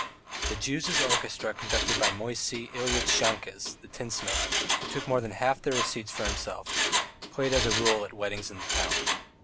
The Jews' orchestra conducted by Moisey Ilyitch Shahkes, the tinsmith, who took more than half their receipts for himself, played as a rule at weddings in the town.